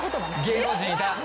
芸能人いた。